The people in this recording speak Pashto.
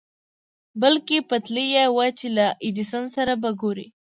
بلکې پتېيلې يې وه چې له ايډېسن سره به ګوري.